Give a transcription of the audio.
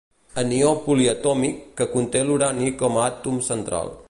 Anió poliatòmic que conté l'urani com a àtom central.